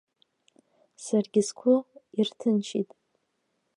Саргьы сгәы ирҭынчит.